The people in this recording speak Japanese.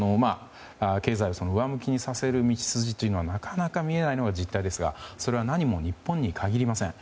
経済を上向きにさせる道筋というのがなかなか見えないのが実態ですがそれは何も、日本に限りません。